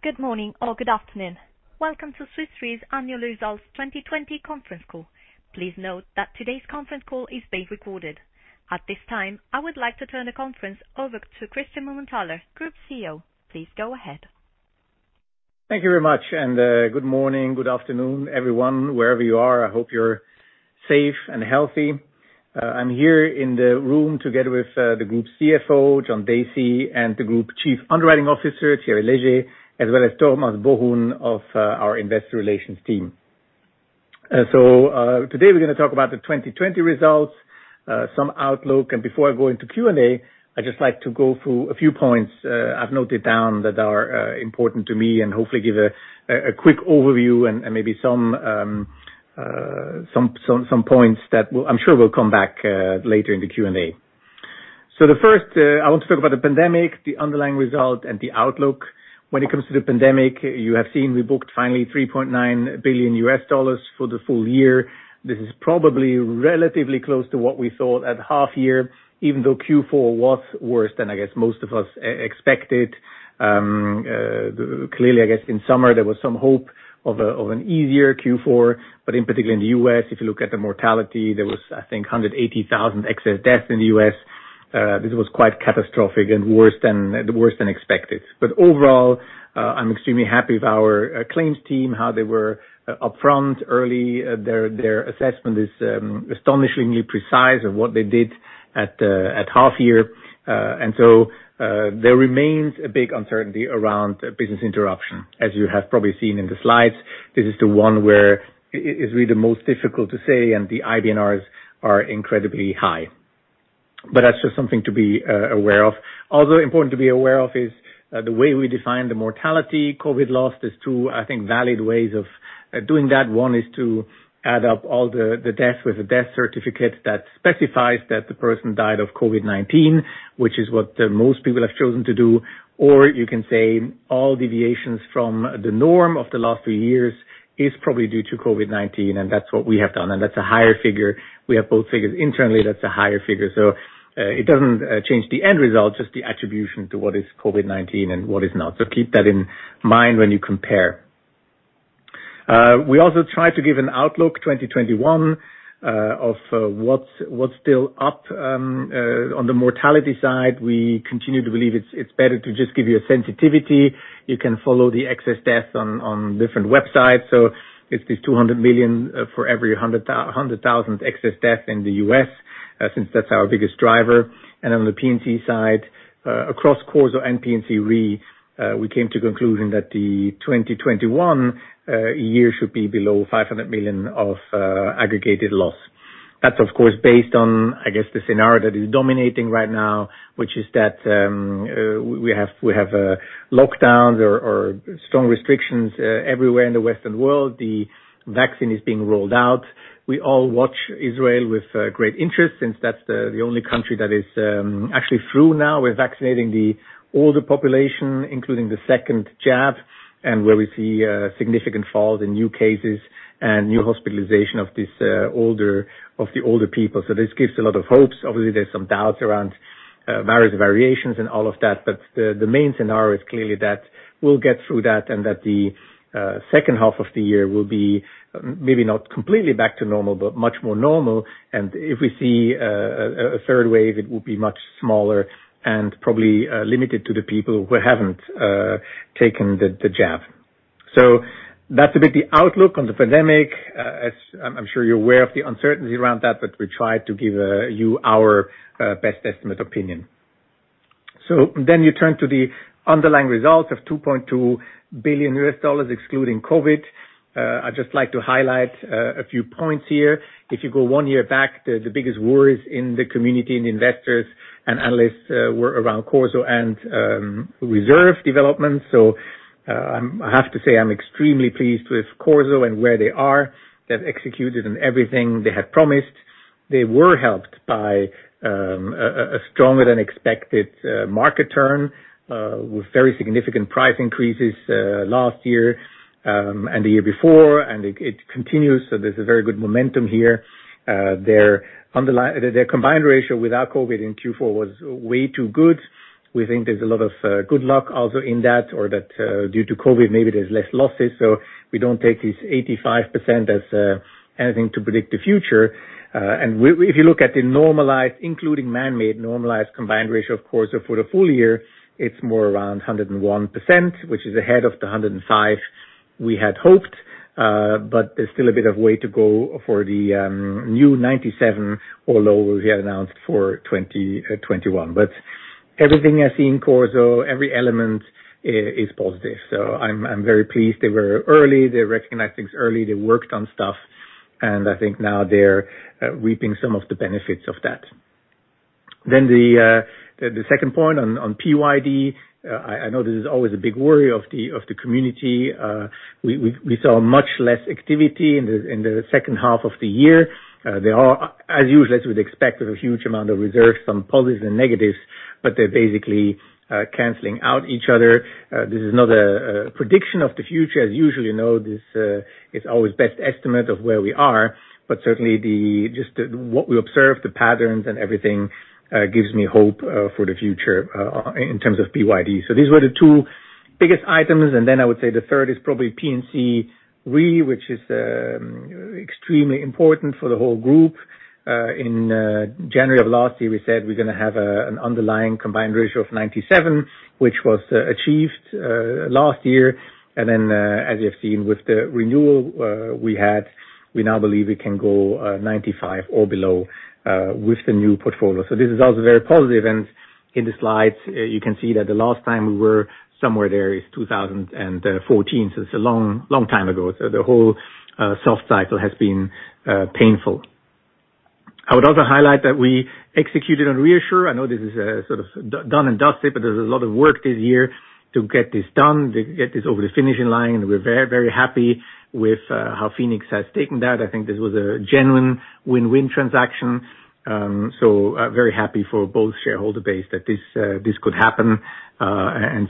Good morning or good afternoon. Welcome to Swiss Re's annual results 2020 conference call. At this time, I would like to turn the conference over to Christian Mumenthaler, Group CEO. Please go ahead. Thank you very much. Good morning, good afternoon, everyone. Wherever you are, I hope you're safe and healthy. I'm here in the room together with the Group Chief Financial Officer, John Dacey, and the Group Chief Underwriting Officer, Thierry Léger, as well as Thomas Bohun of our investor relations team. Today we're going to talk about the 2020 results, some outlook. Before I go into Q&A, I'd just like to go through a few points I've noted down that are important to me and hopefully give a quick overview and maybe some points that I'm sure we'll come back later in the Q&A. The first, I want to talk about the pandemic, the underlying result, and the outlook. When it comes to the pandemic, you have seen we booked finally CHF 3.9 billion for the full year. This is probably relatively close to what we thought at half year, even though Q4 was worse than, I guess, most of us expected. Clearly, I guess in summer there was some hope of an easier Q4, in particular in the U.S., if you look at the mortality, there was, I think, 180,000 excess deaths in the U.S. This was quite catastrophic and worse than expected. Overall, I'm extremely happy with our claims team, how they were upfront early. Their assessment is astonishingly precise of what they did at half year. There remains a big uncertainty around business interruption. As you have probably seen in the slides, this is the one where it is really the most difficult to say, and the IBNRs are incredibly high. That's just something to be aware of. Also important to be aware of is the way we define the mortality, COVID-19 loss. There's two, I think, valid ways of doing that. One is to add up all the deaths with a death certificate that specifies that the person died of COVID-19, which is what most people have chosen to do. You can say all deviations from the norm of the last three years is probably due to COVID-19, and that's what we have done. That's a higher figure. We have both figures internally. That's a higher figure. It doesn't change the end result, just the attribution to what is COVID-19 and what is not. Keep that in mind when you compare. We also try to give an outlook 2021 of what's still up on the mortality side. We continue to believe it's better to just give you a sensitivity. You can follow the excess deaths on different websites. It's these $200 million for every 100,000 excess deaths in the U.S., since that's our biggest driver. On the P&C side, across Corporate Solutions and P&C Re, we came to conclusion that the 2021 year should be below $500 million of aggregated loss. That's of course, based on, I guess, the scenario that is dominating right now, which is that we have lockdowns or strong restrictions everywhere in the Western world. The vaccine is being rolled out. We all watch Israel with great interest since that's the only country that is actually through now with vaccinating the older population, including the second jab, and where we see significant falls in new cases and new hospitalization of the older people. This gives a lot of hopes. Obviously, there's some doubts around various variations and all of that, but the main scenario is clearly that we'll get through that and that the second half of the year will be maybe not completely back to normal, but much more normal. If we see a third wave, it will be much smaller and probably limited to the people who haven't taken the jab. That's a bit the outlook on the pandemic. I'm sure you're aware of the uncertainty around that, but we try to give you our best estimate opinion. Then you turn to the underlying results of CHF 2.2 billion excluding COVID. I'd just like to highlight a few points here. If you go one year back, the biggest worries in the community and investors and analysts were around Corporate Solutions and reserve development. I have to say I am extremely pleased with Corporate Solutions and where they are. They've executed on everything they had promised. They were helped by a stronger than expected market turn, with very significant price increases last year and the year before, and it continues. There's a very good momentum here. Their combined ratio without COVID in Q4 was way too good. We think there's a lot of good luck also in that or that due to COVID, maybe there's less losses. We don't take this 85% as anything to predict the future. If you look at the normalized, including man-made normalized combined ratio, of course, for the full year, it's more around 101%, which is ahead of the 105 we had hoped. There's still a bit of way to go for the new 97 or low we had announced for 2021. Everything I see in CorSo, every element is positive. I'm very pleased. They were early. They recognized things early. They worked on stuff, and I think now they're reaping some of the benefits of that. The second point on PYD, I know this is always a big worry of the community. We saw much less activity in the second half of the year. There are, as usual, as we'd expect, a huge amount of reserves, some positives and negatives, but they're basically canceling out each other. This is not a prediction of the future, as usual, you know this is always best estimate of where we are, but certainly just what we observe, the patterns and everything, gives me hope for the future in terms of PYD. These were the two biggest items, and then I would say the third is probably P&C Re, which is extremely important for the whole group. In January of last year, we said we're going to have an underlying combined ratio of 97, which was achieved last year. As you have seen with the renewal we had, we now believe we can go 95 or below with the new portfolio. This is also very positive. In the slides, you can see that the last time we were somewhere there is 2014. It's a long time ago. The whole soft cycle has been painful. I would also highlight that we executed on ReAssure. I know this is sort of done and dusted, but there's a lot of work this year to get this done, to get this over the finishing line. We're very happy with how Phoenix has taken that. I think this was a genuine win-win transaction. Very happy for both shareholder base that this could happen.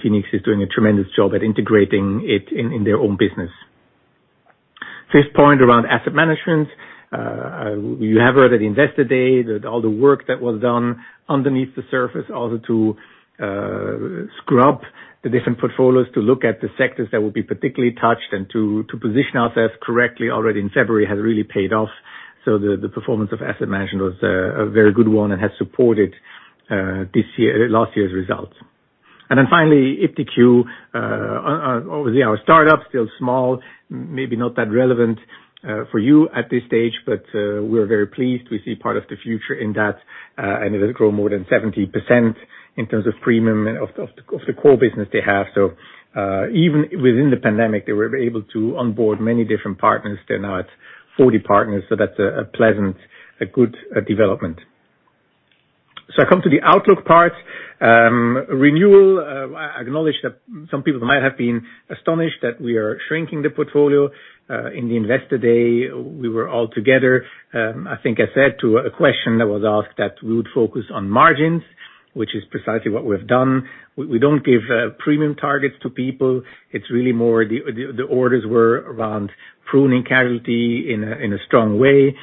Phoenix is doing a tremendous job at integrating it in their own business. Fifth point around asset management. You have heard at Investor Day that all the work that was done underneath the surface, also to scrub the different portfolios to look at the sectors that would be particularly touched and to position ourselves correctly already in February has really paid off. The performance of asset management was a very good one and has supported last year's results. Finally, iptiQ, obviously our startup still small, maybe not that relevant for you at this stage, but we're very pleased. We see part of the future in that. It will grow more than 70% in terms of premium of the core business they have. Even within the pandemic, they were able to onboard many different partners. They're now at 40 partners, that's a pleasant, good development. I come to the outlook part. Renewal. I acknowledge that some people might have been astonished that we are shrinking the portfolio. In the Investor Day, we were all together. I think I said to a question that was asked that we would focus on margins, which is precisely what we've done. We don't give premium targets to people. It's really more the orders were around pruning casualty in a strong way,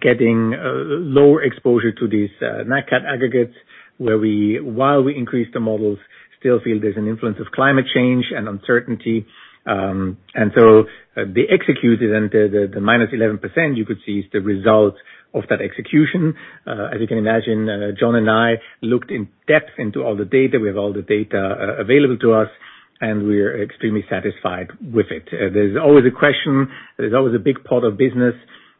getting lower exposure to these nat cat aggregates, while we increase the models, still feel there's an influence of climate change and uncertainty. They executed, and the -11% you could see is the result of that execution. As you can imagine, John and I looked in depth into all the data. We have all the data available to us, and we're extremely satisfied with it. There's always a question. There's always a big part of business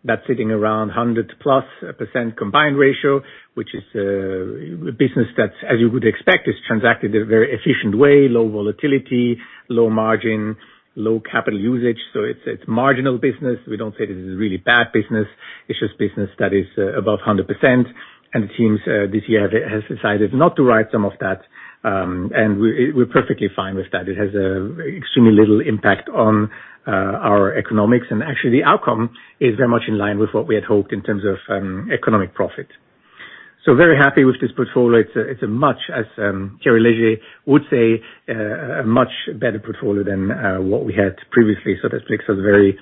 that's sitting around 100-plus% combined ratio, which is a business that, as you would expect, is transacted in a very efficient way, low volatility, low margin, low capital usage. It's marginal business. We don't say this is really bad business. It's just business that is above 100%. The teams this year have decided not to write some of that, and we're perfectly fine with that. It has extremely little impact on our economics, actually the outcome is very much in line with what we had hoped in terms of economic profit. Very happy with this portfolio. It's a much as Thierry Léger would say, a much better portfolio than what we had previously. This makes us very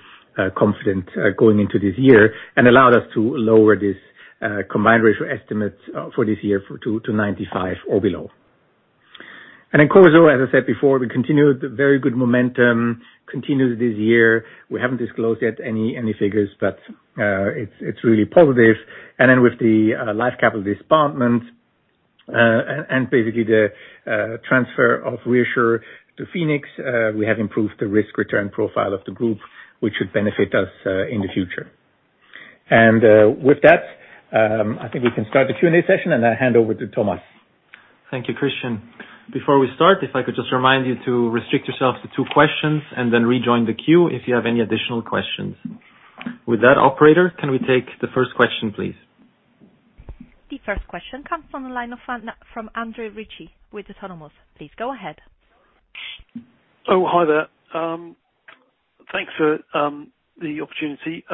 confident going into this year and allowed us to lower this combined ratio estimate for this year to 95 or below. Corporate Solutions, as I said before, we continue the very good momentum, continues this year. We haven't disclosed yet any figures it's really positive. With the Life Capital divestment, and basically the transfer of ReAssure to Phoenix, we have improved the risk return profile of the group, which should benefit us in the future. With that, I think we can start the Q&A session, and I hand over to Thomas. Thank you, Christian. Before we start, if I could just remind you to restrict yourself to two questions and then rejoin the queue if you have any additional questions. With that, operator, can we take the first question, please? The first question comes from the line of Andrew Ritchie with Autonomous. Please go ahead. Oh, hi there. Thanks for the opportunity.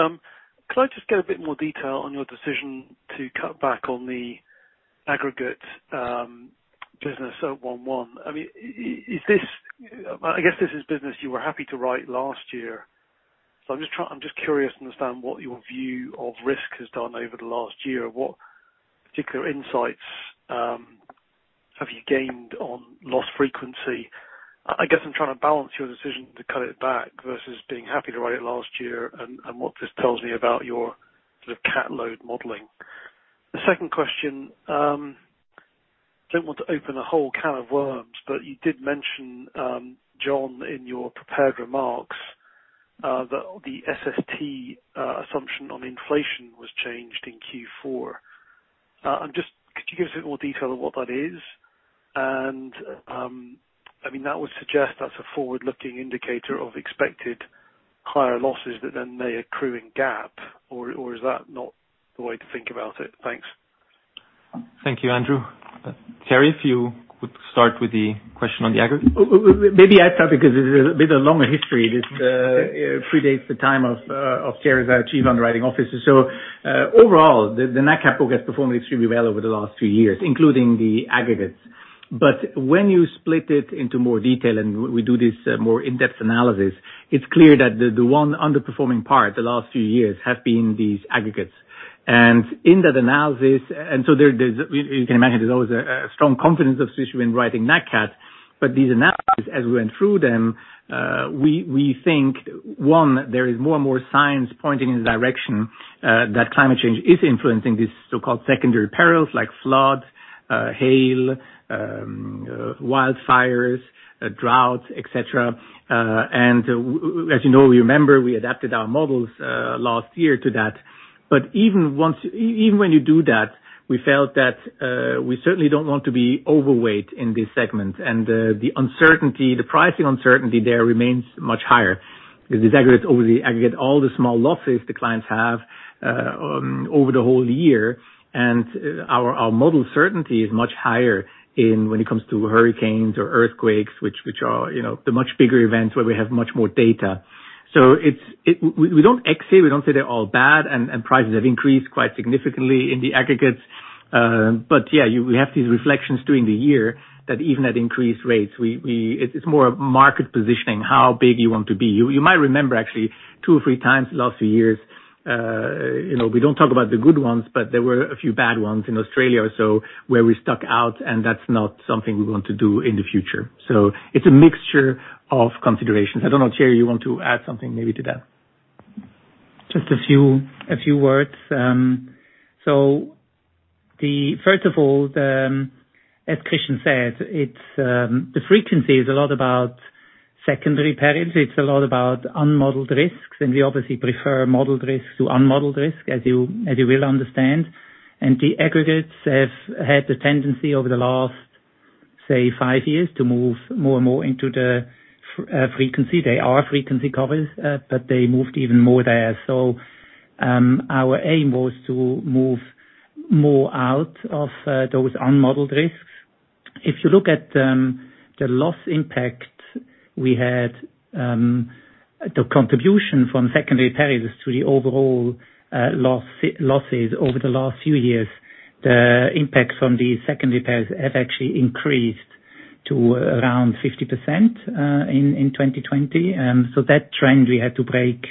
Could I just get a bit more detail on your decision to cut back on the aggregate business at one one? I guess this is business you were happy to write last year. I'm just curious to understand what your view of risk has done over the last year. What particular insights have you gained on loss frequency? I guess I'm trying to balance your decision to cut it back versus being happy to write it last year and what this tells me about your sort of cat load modeling. The second question, don't want to open a whole can of worms, but you did mention, John, in your prepared remarks, that the SST assumption on inflation was changed in Q4. Could you give us a bit more detail on what that is? That would suggest that's a forward-looking indicator of expected higher losses that then may accrue in GAAP, or is that not the way to think about it? Thanks. Thank you, Andrew. Thierry, if you would start with the question on the aggregate. Maybe I'll start because it is a bit of a longer history. This predates the time of Thierry as our Chief Underwriting Officer. Overall, the nat cat has performed extremely well over the last few years, including the aggregates. When you split it into more detail and we do this more in-depth analysis, it's clear that the one underperforming part the last few years have been these aggregates. In that analysis, you can imagine there's always a strong confidence of Swiss Re in writing nat cat, but these analyses, as we went through them, we think, one, there is more and more signs pointing in the direction that climate change is influencing these so-called secondary perils like floods, hail, wildfires, droughts, et cetera. As you know, we remember we adapted our models last year to that. Even when you do that, we felt that we certainly don't want to be overweight in this segment. The pricing uncertainty there remains much higher because these aggregates, over the aggregate, all the small losses the clients have over the whole year, and our model certainty is much higher when it comes to hurricanes or earthquakes, which are the much bigger events where we have much more data. We don't XA, we don't say they're all bad, and prices have increased quite significantly in the aggregates. Yeah, we have these reflections during the year that even at increased rates, it's more a market positioning, how big you want to be. You might remember actually two or three times the last few years, we don't talk about the good ones, but there were a few bad ones in Australia or so where we stuck out, that's not something we want to do in the future. It's a mixture of considerations. I don't know, Thierry, you want to add something maybe to that? Just a few words. First of all, as Christian said, the frequency is a lot about secondary perils. It's a lot about unmodeled risks, and we obviously prefer modeled risks to unmodeled risk, as you well understand. The aggregates have had the tendency over the last, say, five years to move more and more into the frequency. They are frequency covers, but they moved even more there. Our aim was to move more out of those unmodeled risks. If you look at the loss impact we had, the contribution from secondary perils to the overall losses over the last few years, the impacts from these secondary perils have actually increased to around 50% in 2020. That trend we had to break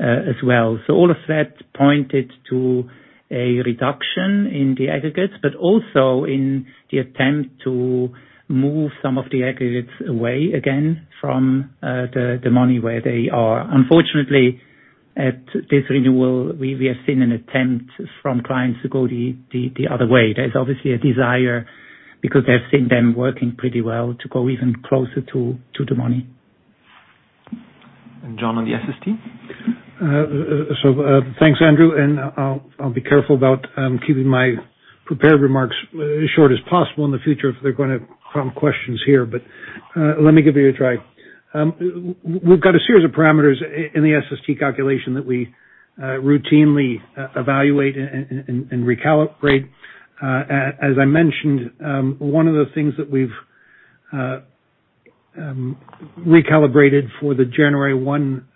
as well. All of that pointed to a reduction in the aggregates, but also in the attempt to move some of the aggregates away again from the money where they are. Unfortunately, at this renewal, we have seen an attempt from clients to go the other way. There's obviously a desire because they've seen them working pretty well to go even closer to the money. John on the SST. Thanks, Andrew, and I'll be careful about keeping my prepared remarks as short as possible in the future if they're going to prompt questions here, but let me give it a try. We've got a series of parameters in the SST calculation that we routinely evaluate and recalibrate. As I mentioned, one of the things that we've recalibrated for the January one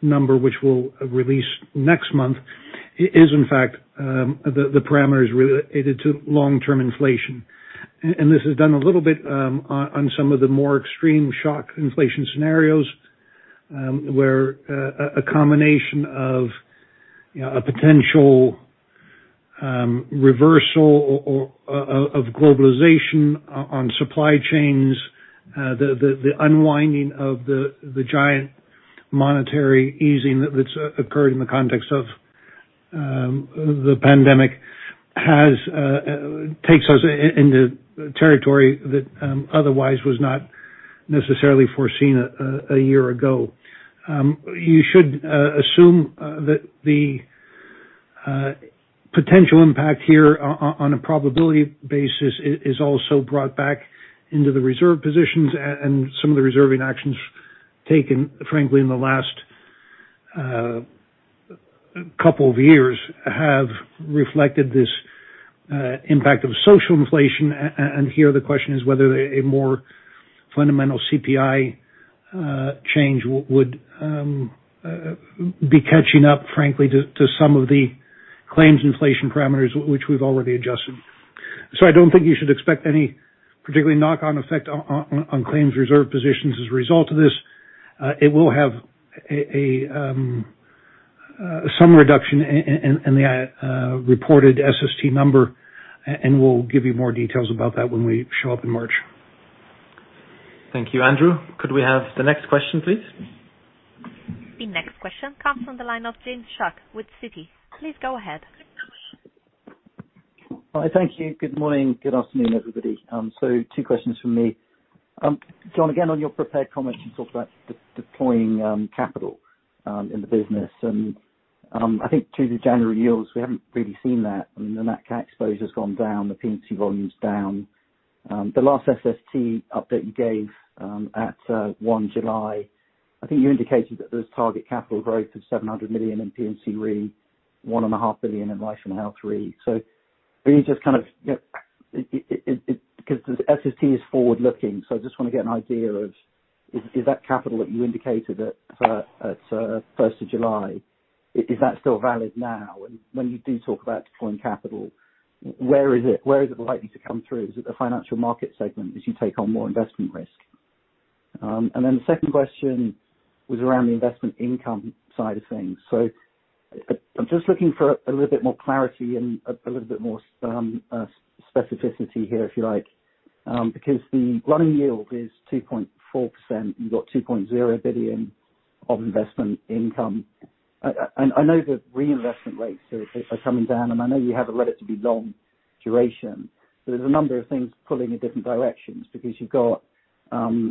number, which we'll release next month, is in fact the parameters related to long-term inflation. This is done a little bit on some of the more extreme shock inflation scenarios, where a combination of a potential reversal of globalization on supply chains, the unwinding of the giant monetary easing that's occurred in the context of the pandemic takes us into territory that otherwise was not necessarily foreseen a year ago. You should assume that the potential impact here on a probability basis is also brought back into the reserve positions, and some of the reserving actions taken, frankly, in the last couple of years have reflected this impact of social inflation. Here the question is whether a more fundamental CPI change would be catching up, frankly, to some of the claims inflation parameters which we've already adjusted. I don't think you should expect any particularly knock-on effect on claims reserve positions as a result of this. It will have some reduction in the reported SST number, and we'll give you more details about that when we show up in March. Thank you, Andrew. Could we have the next question, please? The next question comes from the line of James Shuck with Citi. Please go ahead. Hi. Thank you. Good morning. Good afternoon, everybody. Two questions from me. John, again, on your prepared comments, you talked about deploying capital in the business. I think through the January yields, we haven't really seen that. I mean, the nat cat exposure's gone down, the P&C volume's down. The last SST update you gave at 1 July, I think you indicated that there's target capital growth of 700 million in P&C Re, 1.5 billion in Life and Health Re. Because the SST is forward-looking, I just want to get an idea of, is that capital that you indicated at 1st of July, is that still valid now? When you do talk about deploying capital, where is it likely to come through? Is it the financial market segment as you take on more investment risk? The second question was around the investment income side of things. I'm just looking for a little bit more clarity and a little bit more specificity here, if you like. The running yield is 2.4%, you've got 2.0 billion of investment income. I know the reinvestment rates are coming down, and I know you have a relative de-long duration, but there's a number of things pulling in different directions because you've got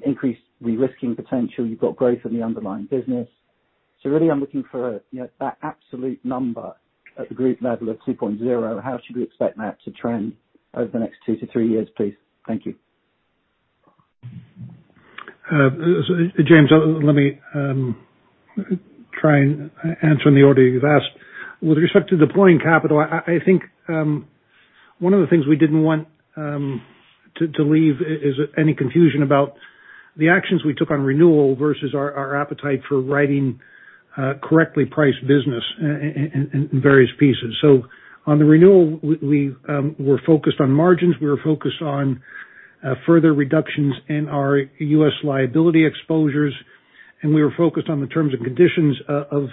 increased de-risking potential, you've got growth in the underlying business. Really, I'm looking for that absolute number at the group level of 2.0. How should we expect that to trend over the next two to three years, please? Thank you. James, let me try and answer in the order you've asked. With respect to deploying capital, I think one of the things we didn't want to leave is any confusion about the actions we took on renewal versus our appetite for writing correctly priced business in various pieces. On the renewal, we're focused on margins. We're focused on further reductions in our U.S. liability exposures, and we are focused on the terms and conditions of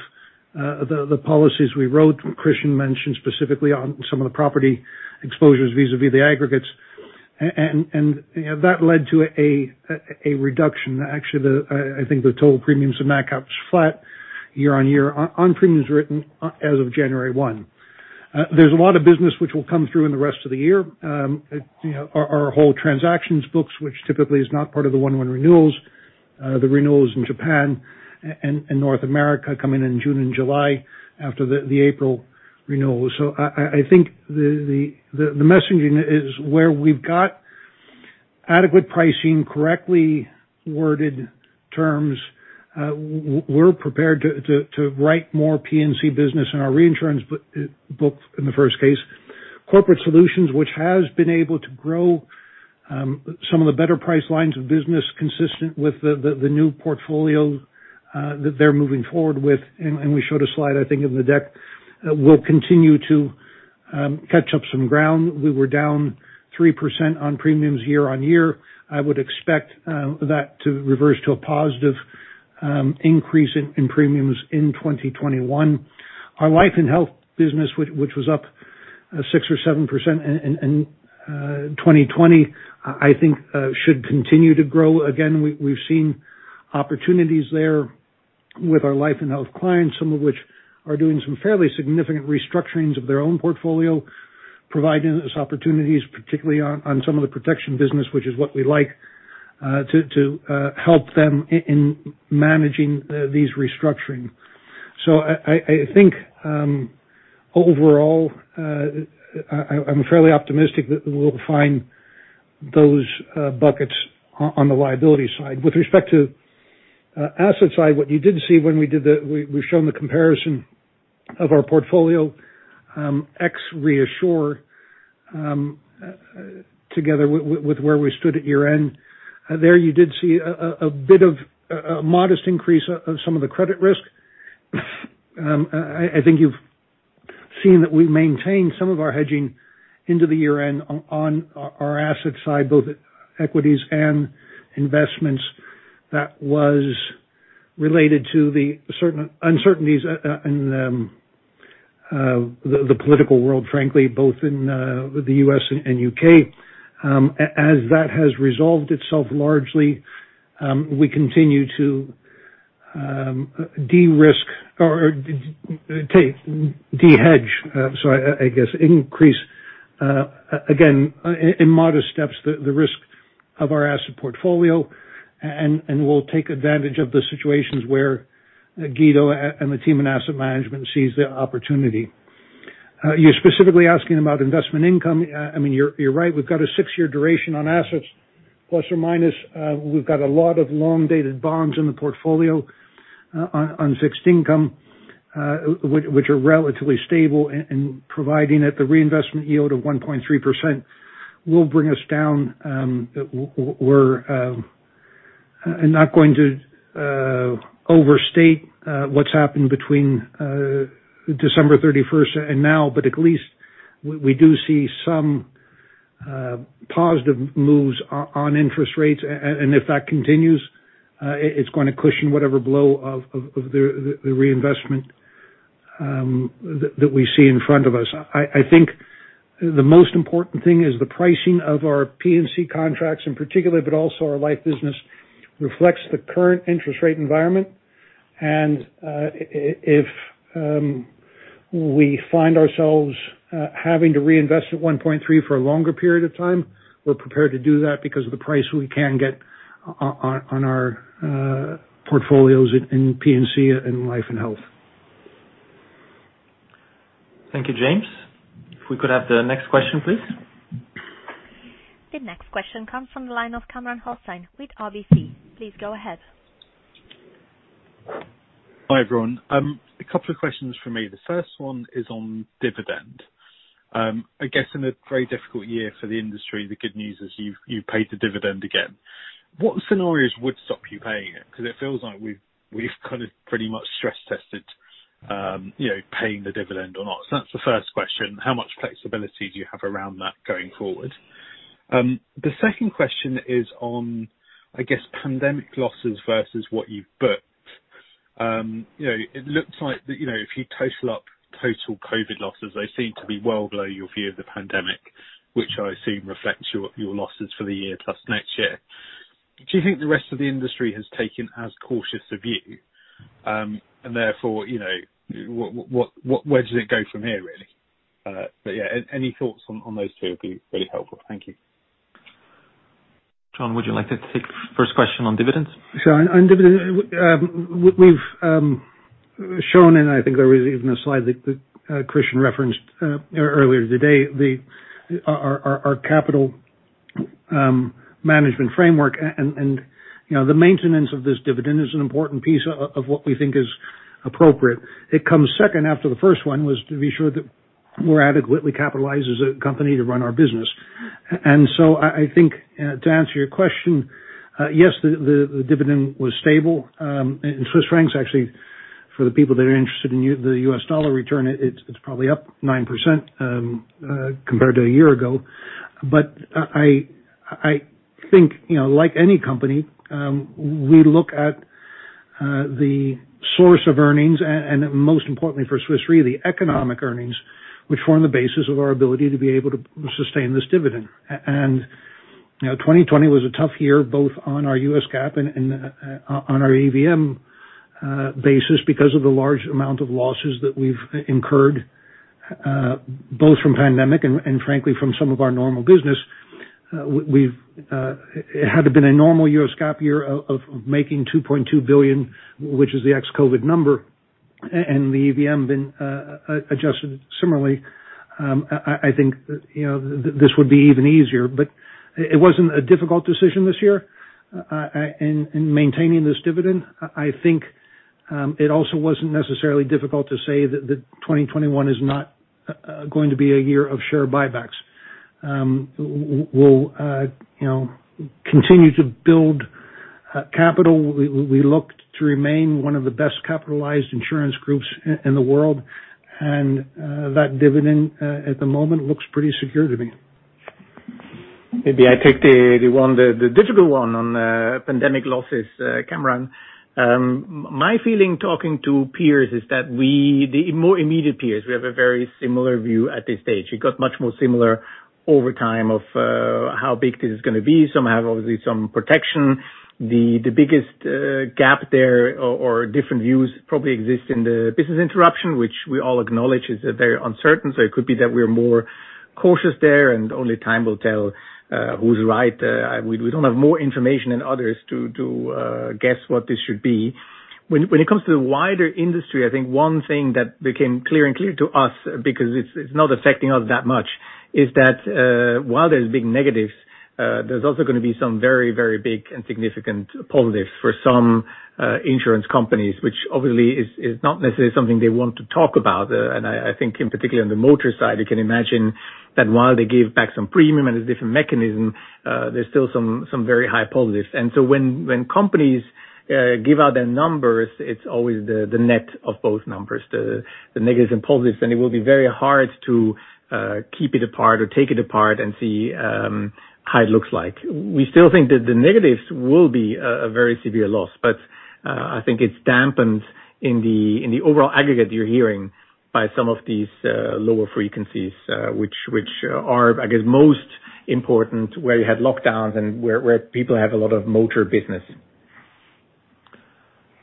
the policies we wrote, Christian mentioned specifically on some of the property exposures vis-a-vis the aggregates. That led to a reduction. Actually, I think the total premiums of nat cat is flat year on year on premiums written as of January 1. There's a lot of business which will come through in the rest of the year. Our whole transactions books, which typically is not part of the one-one renewals, the renewals in Japan and North America come in in June and July after the April renewal. I think the messaging is where we've got adequate pricing, correctly worded terms, we're prepared to write more P&C business in our reinsurance book in the first case. Corporate Solutions, which has been able to grow some of the better price lines of business consistent with the new portfolio that they're moving forward with, and we showed a slide, I think, in the deck, will continue to catch up some ground. We were down 3% on premiums year-on-year. I would expect that to reverse to a positive increase in premiums in 2021. Our life and health business, which was up six or seven % in 2020, I think should continue to grow again. We've seen opportunities there with our life and health clients, some of which are doing some fairly significant restructurings of their own portfolio, providing us opportunities, particularly on some of the protection business, which is what we like, to help them in managing these restructurings. I think overall, I'm fairly optimistic that we'll find those buckets on the liability side. With respect to asset side, what you did see when we've shown the comparison of our portfolio, X ReAssure together with where we stood at year-end. There you did see a bit of a modest increase of some of the credit risk. I think you've seen that we've maintained some of our hedging into the year-end on our asset side, both equities and investments that was related to the uncertainties in the political world, frankly, both in the U.S. and U.K. As that has resolved itself largely, we continue to de-risk or de-hedge, sorry, I guess, increase, again, in modest steps, the risk of our asset portfolio, and we'll take advantage of the situations where Guido and the team in asset management sees the opportunity. You're specifically asking about investment income. I mean, you're right. We've got a six-year duration on assets, plus or minus. We've got a lot of long-dated bonds in the portfolio on fixed income, which are relatively stable and providing that the reinvestment yield of 1.3% will bring us down. I'm not going to overstate what's happened between December 31st and now, but at least we do see some positive moves on interest rates, and if that continues, it's going to cushion whatever blow of the reinvestment that we see in front of us. I think the most important thing is the pricing of our P&C contracts in particular, but also our life business reflects the current interest rate environment. If we find ourselves having to reinvest at 1.3 for a longer period of time, we're prepared to do that because of the price we can get on our portfolios in P&C and life and health. Thank you, James. If we could have the next question, please. The next question comes from the line of Kamran Hossain with RBC. Please go ahead. Hi, everyone. A couple of questions from me. The first one is on dividend. I guess in a very difficult year for the industry, the good news is you've paid the dividend again. What scenarios would stop you paying it? It feels like we've kind of pretty much stress tested paying the dividend or not. So that's the first question. How much flexibility do you have around that going forward? The second question is on, I guess, pandemic losses versus what you've booked. It looks like if you total up total COVID losses, they seem to be well below your view of the pandemic, which I assume reflects your losses for the year plus next year. Do you think the rest of the industry has taken as cautious a view? Therefore, where does it go from here, really? Yeah, any thoughts on those two would be really helpful. Thank you. John, would you like to take the first question on dividends? Sure. On dividends, we've shown, and I think there was even a slide that Christian referenced earlier today, our capital management framework. The maintenance of this dividend is an important piece of what we think is appropriate. It comes second after the first one, was to be sure that we're adequately capitalized as a company to run our business. I think to answer your question, yes, the dividend was stable in CHF, actually, for the people that are interested in the U.S. dollar return, it's probably up 9% compared to a year ago. I think, like any company, we look at the source of earnings and, most importantly for Swiss Re, the economic earnings, which form the basis of our ability to be able to sustain this dividend. 2020 was a tough year, both on our U.S. GAAP and on our EVM basis because of the large amount of losses that we've incurred, both from pandemic and frankly from some of our normal business. Had it been a normal U.S. GAAP year of making 2.2 billion, which is the ex-COVID number, and the EVM been adjusted similarly, I think this would be even easier. It wasn't a difficult decision this year in maintaining this dividend. I think it also wasn't necessarily difficult to say that 2021 is not going to be a year of share buybacks. We'll continue to build capital. We look to remain one of the best capitalized insurance groups in the world. That dividend, at the moment, looks pretty secure to me. Maybe I take the difficult one on pandemic losses, Kamran. My feeling talking to peers is that we, the more immediate peers, we have a very similar view at this stage. It got much more similar over time of how big this is going to be. Some have, obviously, some protection. The biggest gap there or different views probably exist in the business interruption, which we all acknowledge is very uncertain. It could be that we're more cautious there, and only time will tell who's right. We don't have more information than others to guess what this should be. When it comes to the wider industry, I think one thing that became clear to us, because it's not affecting us that much, is that while there's big negatives, there's also going to be some very, very big and significant positives for some insurance companies, which obviously is not necessarily something they want to talk about. I think in particular on the motor side, you can imagine that while they gave back some premium and there's different mechanism, there's still some very high positives. When companies give out their numbers, it's always the net of both numbers, the negatives and positives, and it will be very hard to keep it apart or take it apart and see how it looks like. We still think that the negatives will be a very severe loss. I think it's dampened in the overall aggregate you're hearing by some of these lower frequencies, which are, I guess, most important where you had lockdowns and where people have a lot of motor business.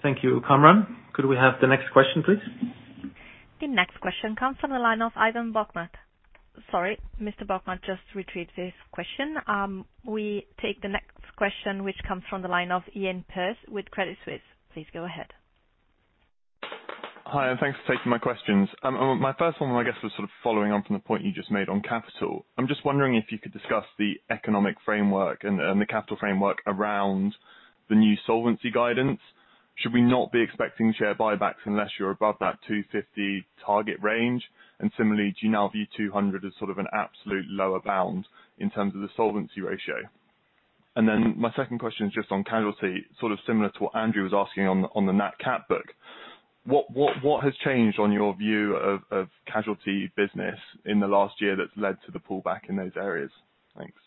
Thank you, Kamran. Could we have the next question, please? The next question comes from the line of Ivan Bokhmat. Sorry, Mr. Bokhmat just retrieved his question. We take the next question, which comes from the line of Iain Pearce with Credit Suisse. Please go ahead. Hi, thanks for taking my questions. My first one, I guess, was sort of following on from the point you just made on capital. I'm just wondering if you could discuss the economic framework and the capital framework around the new solvency guidance. Should we not be expecting share buybacks unless you're above that 250 target range? Similarly, do you now view 200 as sort of an absolute lower bound in terms of the solvency ratio? My second question is just on casualty, sort of similar to what Andrew was asking on the nat cat book. What has changed on your view of casualty business in the last year that's led to the pullback in those areas? Thanks.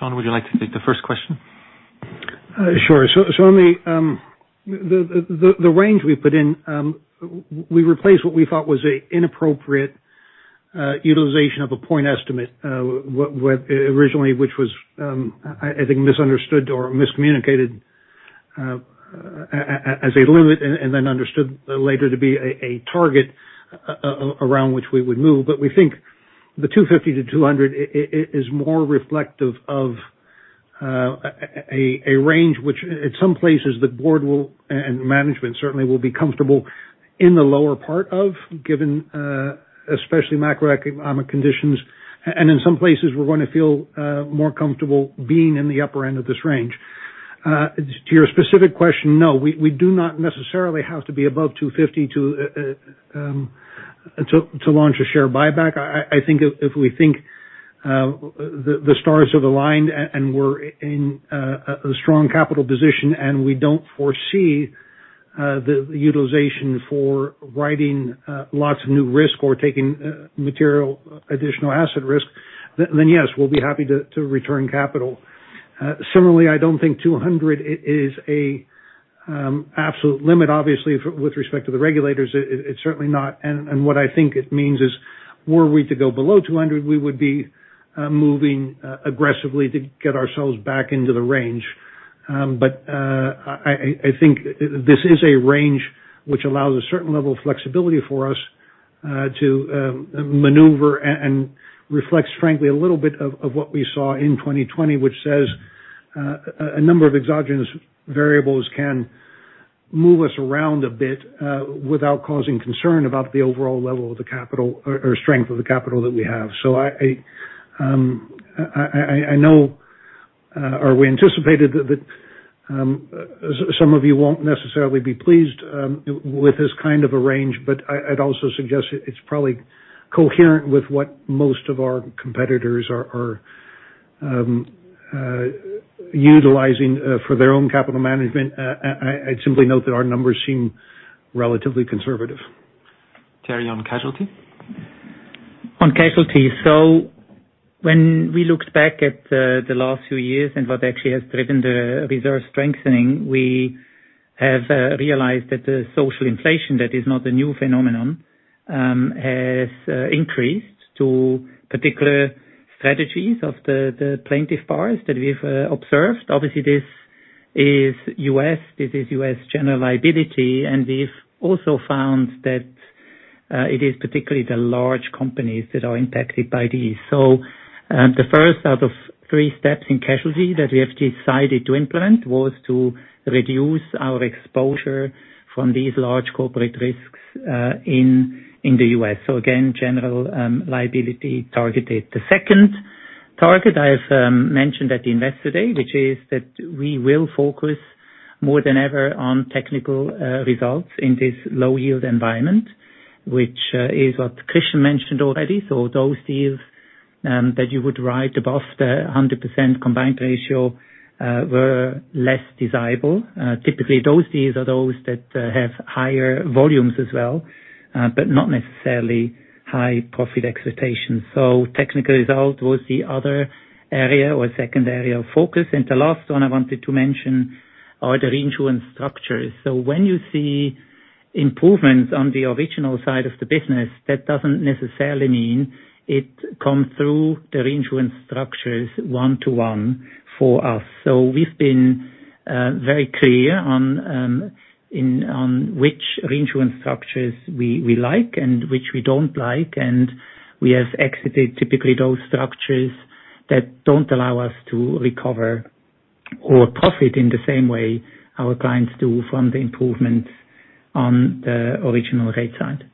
John, would you like to take the first question? Sure. On the range we put in, we replaced what we thought was an inappropriate utilization of a point estimate, originally which was, I think, misunderstood or miscommunicated as a limit, and then understood later to be a target around which we would move. We think the 250-200 is more reflective of a range which, at some places, the board and management certainly will be comfortable in the lower part of, given especially macroeconomic conditions, and in some places, we're going to feel more comfortable being in the upper end of this range. To your specific question, no, we do not necessarily have to be above 250 to launch a share buyback. The stars are aligned, we're in a strong capital position, and we don't foresee the utilization for writing lots of new risk or taking material additional asset risk, then yes, we'll be happy to return capital. Similarly, I don't think 200 is an absolute limit, obviously, with respect to the regulators, it's certainly not. What I think it means is, were we to go below 200, we would be moving aggressively to get ourselves back into the range. I think this is a range which allows a certain level of flexibility for us to maneuver and reflects, frankly, a little bit of what we saw in 2020, which says a number of exogenous variables can move us around a bit, without causing concern about the overall level of the capital or strength of the capital that we have. I know or we anticipated that some of you won't necessarily be pleased with this kind of a range, but I'd also suggest it's probably coherent with what most of our competitors are utilizing for their own capital management. I'd simply note that our numbers seem relatively conservative. Thierry, on casualty? On casualty. When we looked back at the last few years and what actually has driven the reserve strengthening, we have realized that the social inflation that is not a new phenomenon, has increased to particular strategies of the plaintiffs' bar that we've observed. Obviously, this is U.S., this is U.S. general liability, and we've also found that it is particularly the large companies that are impacted by these. The first out of three steps in casualty that we have decided to implement was to reduce our exposure from these large corporate risks in the U.S. Again, general liability targeted. The second target I've mentioned at the Investor Day, which is that we will focus more than ever on technical results in this low yield environment, which is what Christian mentioned already. Those deals that you would write above the 100% combined ratio, were less desirable. Typically, those deals are those that have higher volumes as well, but not necessarily high profit expectations. Technical result was the other area or second area of focus. The last one I wanted to mention are the reinsurance structures. When you see improvements on the original side of the business, that doesn't necessarily mean it comes through the reinsurance structures one to one for us. We've been very clear on which reinsurance structures we like and which we don't like. We have exited, typically, those structures that don't allow us to recover or profit in the same way our clients do from the improvements on the original rate side.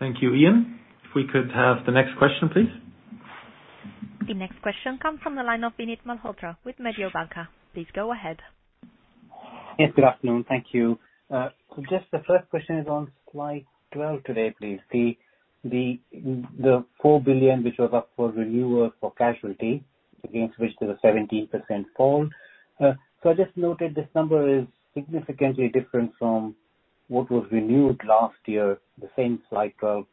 Thank you. Iain, if we could have the next question, please. The next question comes from the line of Vinit Malhotra with Mediobanca. Please go ahead. Yes. Good afternoon. Thank you. Just the first question is on slide 12 today, please. The 4 billion, which was up for renewal for casualty against which there was 17% fall. I just noted this number is significantly different from what was renewed last year, the same slide 12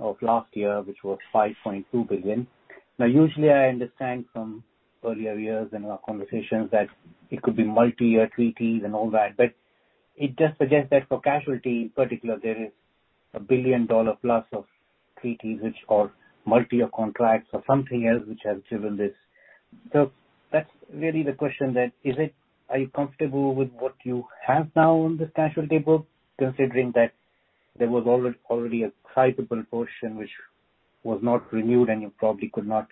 of last year, which was 5.2 billion. Usually I understand from earlier years in our conversations that it could be multi-year treaties and all that, but it just suggests that for casualty in particular, there is a CHF billion plus of treaties which are multi-year contracts or something else which has driven this. That's really the question then. Are you comfortable with what you have now on this casualty book, considering that there was already a sizable portion which was not renewed, and you probably could not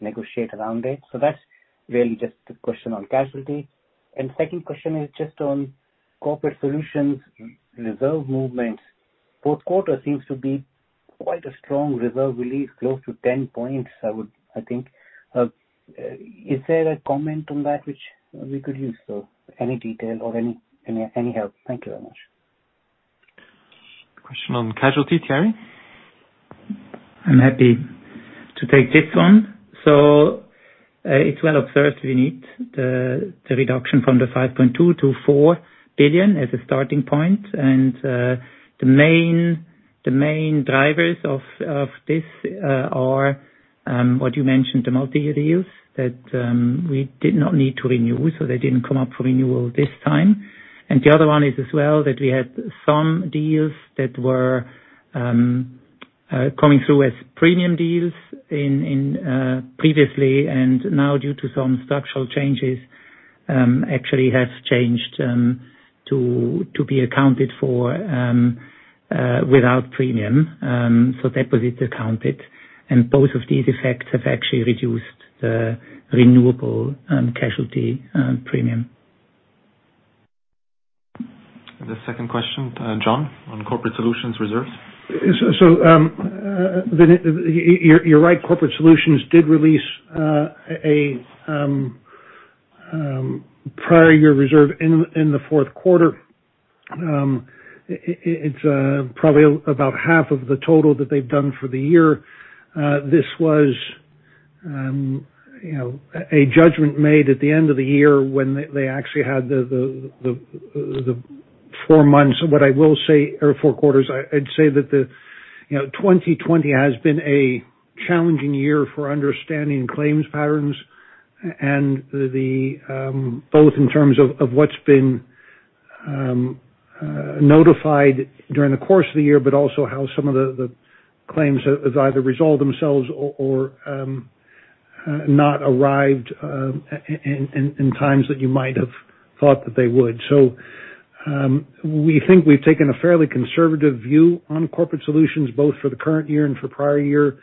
negotiate around it? That's really just the question on casualty. Second question is just on Corporate Solutions reserve movements. Fourth quarter seems to be quite a strong reserve relief, close to 10 points, I think. Is there a comment on that which we could use? Any detail or any help. Thank you very much. Question on casualty, Thierry? It's well observed, Vinit. The reduction from the $5.2 billion to $4 billion as a starting point. The main drivers of this are what you mentioned, the multi-year deals that we did not need to renew, so they didn't come up for renewal this time. The other one is as well that we had some deals that were coming through as premium deals previously, and now due to some structural changes, actually has changed to be accounted for without premium. That was it accounted. Both of these effects have actually reduced the renewable casualty premium. The second question, John, on Corporate Solutions reserves. Vinit, you're right. Corporate Solutions did release a prior year reserve in the fourth quarter. It's probably about half of the total that they've done for the year. This was a judgment made at the end of the year when they actually had the four quarters. I'd say that 2020 has been a challenging year for understanding claims patterns, both in terms of what's been notified during the course of the year, but also how some of the claims have either resolved themselves or have not arrived in times that you might have thought that they would. We think we've taken a fairly conservative view on Corporate Solutions, both for the current year and for prior year.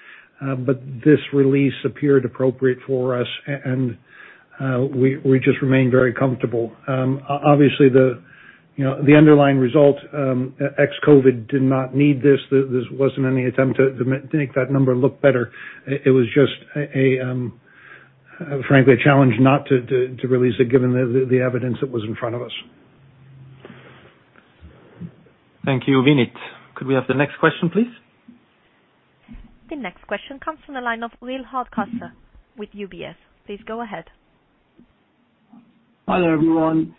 This release appeared appropriate for us, and we just remain very comfortable. Obviously, the underlying result, ex-COVID-19, did not need this. This wasn't any attempt to make that number look better. It was just, frankly, a challenge not to release it given the evidence that was in front of us. Thank you, Vinit. Could we have the next question, please? The next question comes from the line of William Hardcastle with UBS. Please go ahead. Hi there, everyone.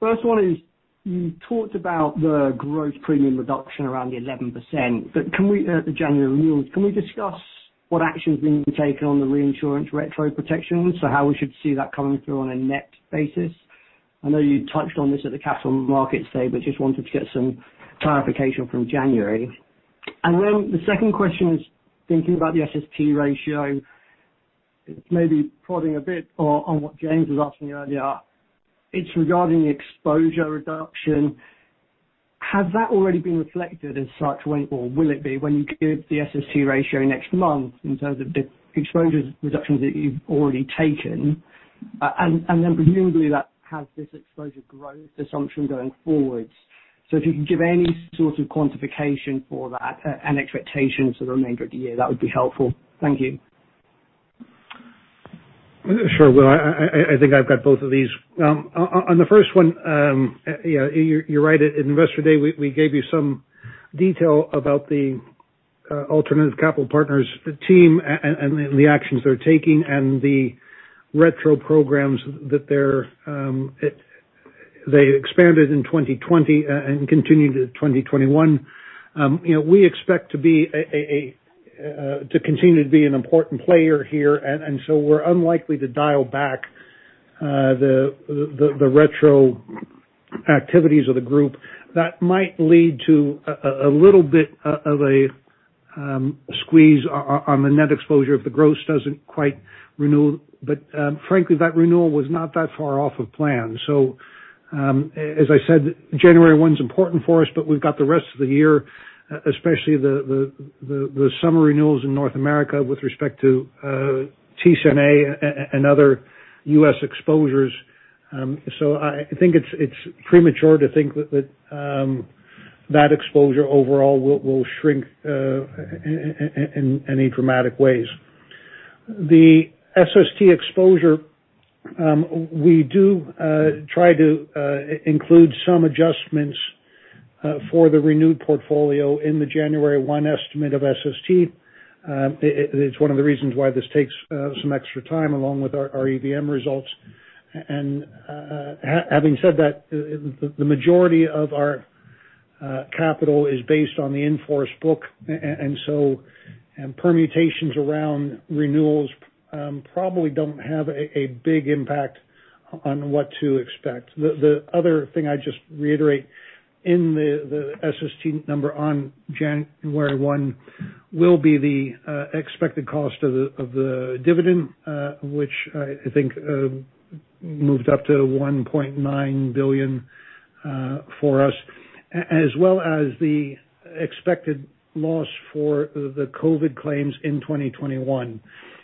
First one is, you talked about the gross premium reduction around the 11%, at the January renewals, can we discuss what actions are being taken on the reinsurance retro protections? How we should see that coming through on a net basis. I know you touched on this at the capital markets day, but just wanted to get some clarification from January. The second question is thinking about the SST ratio. It's maybe prodding a bit on what James was asking you earlier. It's regarding the exposure reduction. Has that already been reflected as such, or will it be when you give the SST ratio next month in terms of the exposure reductions that you've already taken? Presumably that has this exposure growth assumption going forwards. If you can give any sort of quantification for that and expectations for the remainder of the year, that would be helpful. Thank you. Sure, Will. I think I've got both of these. On the first one, you're right. In Investor Day, we gave you some detail about the alternative capital partners team and the actions they're taking and the retro programs that they expanded in 2020, and continue to 2021. We expect to continue to be an important player here, and so we're unlikely to dial back the retro activities of the group. That might lead to a little bit of a squeeze on the net exposure if the gross doesn't quite renew. Frankly, that renewal was not that far off of plan. As I said, January one's important for us, but we've got the rest of the year, especially the summer renewals in North America with respect to CNA and other U.S. exposures. I think it's premature to think that exposure overall will shrink in any dramatic ways. The SST exposure, we do try to include some adjustments for the renewed portfolio in the January one estimate of SST. It's one of the reasons why this takes some extra time along with our EVM results. Having said that, the majority of our capital is based on the in-force book, and permutations around renewals probably don't have a big impact on what to expect. The other thing I'd just reiterate in the SST number on January one will be the expected cost of the dividend, which I think moved up to 1.9 billion for us, as well as the expected loss for the COVID-19 claims in 2021.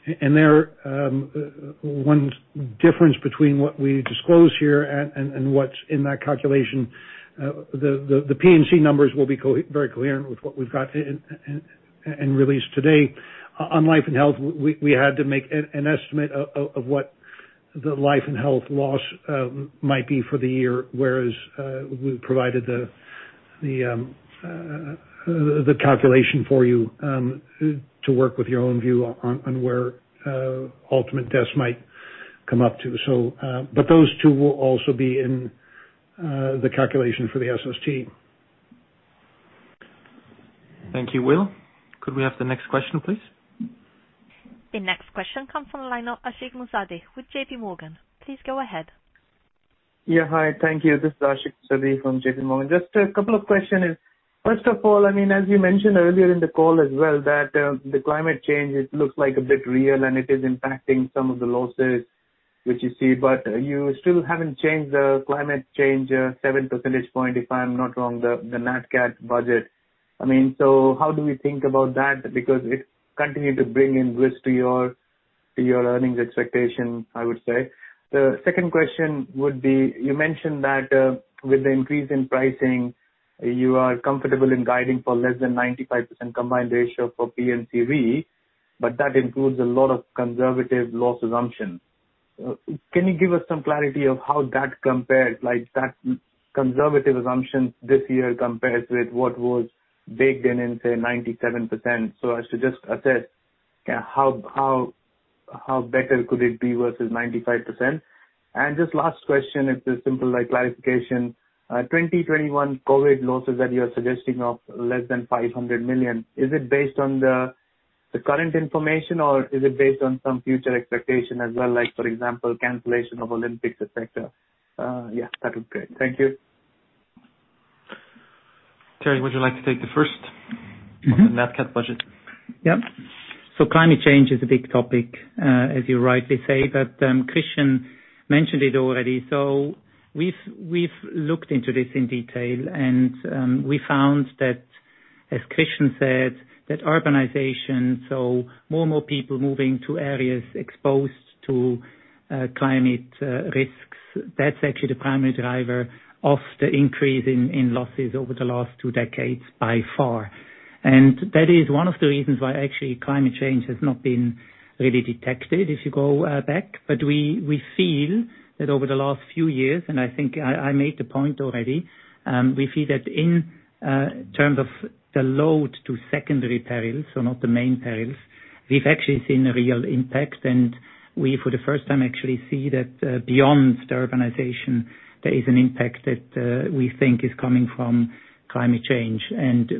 One difference between what we disclose here and what's in that calculation, the P&C Re numbers will be very clear with what we've got and released today. On life and health, we had to make an estimate of what the life and health loss might be for the year, whereas we've provided the calculation for you to work with your own view on where ultimate deaths might come up to. Those two will also be in the calculation for the SST. Thank you, Will. Could we have the next question, please? The next question comes from the line of Ashik Musaddi with JPMorgan. Please go ahead. Yeah. Hi, thank you. This is Ashik Musaddi from JPMorgan. Just a couple of questions. First of all, as you mentioned earlier in the call as well, that the climate change, it looks like a bit real, and it is impacting some of the losses which you see. You still haven't changed the climate change seven percentage point, if I'm not wrong, the nat cat budget. How do we think about that? Because it continue to bring in risk to your earnings expectation, I would say. The second question would be, you mentioned that with the increase in pricing. You are comfortable in guiding for less than 95% combined ratio for P&C Re, that includes a lot of conservative loss assumptions. Can you give us some clarity of how that compares, like that conservative assumption this year compares with what was baked in in, say, 97%? As to just assess how better could it be versus 95%? Just last question, it's a simple clarification. 2021 COVID losses that you are suggesting of less than 500 million, is it based on the current information, or is it based on some future expectation as well, for example, cancellation of Olympics, et cetera? Yeah, that would be great. Thank you. Thierry, would you like to take the first on that CAT budget? Yep. Climate change is a big topic, as you rightly say. Christian mentioned it already. We've looked into this in detail and we found that, as Christian said, that urbanization, so more and more people moving to areas exposed to climate risks. That's actually the primary driver of the increase in losses over the last two decades by far. That is one of the reasons why actually climate change has not been really detected if you go back. We feel that over the last few years, and I think I made the point already, we see that in terms of the load to secondary perils, so not the main perils, we've actually seen a real impact. We, for the first time, actually see that beyond urbanization, there is an impact that we think is coming from climate change.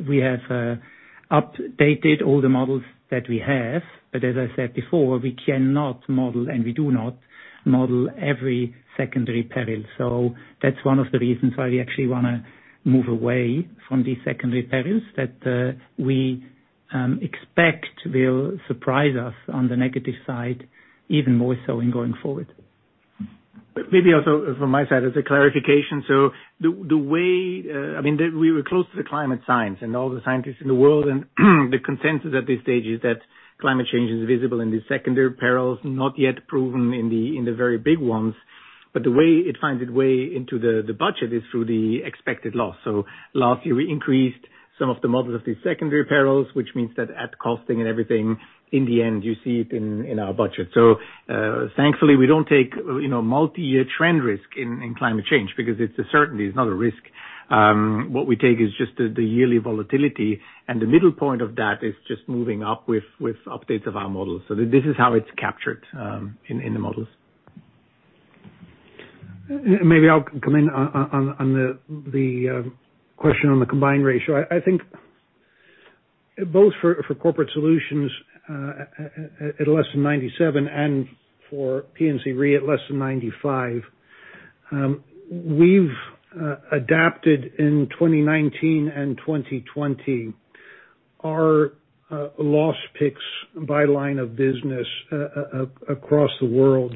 We have updated all the models that we have. As I said before, we cannot model, and we do not model every secondary peril. That's one of the reasons why we actually want to move away from these secondary perils that we expect will surprise us on the negative side, even more so in going forward. Maybe also from my side as a clarification. We were close to the climate science and all the scientists in the world, and the consensus at this stage is that climate change is visible in the secondary perils, not yet proven in the very big ones. The way it finds its way into the budget is through the expected loss. Last year, we increased some of the models of these secondary perils, which means that at costing and everything, in the end, you see it in our budget. Thankfully, we don't take multi-year trend risk in climate change because it's a certainty. It's not a risk. What we take is just the yearly volatility, and the middle point of that is just moving up with updates of our models. This is how it's captured in the models. Maybe I'll come in on the question on the combined ratio. I think both for Corporate Solutions at less than 97 and for P&C Re at less than 95. We've adapted in 2019 and 2020, our loss picks by line of business across the world